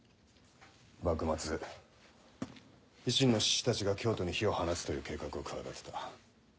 幕末維新の志士たちが京都に火を放つという計画を企てた。